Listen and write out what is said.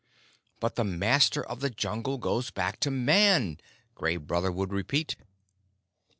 "But the Master of the Jungle goes back to Man," Gray Brother would repeat.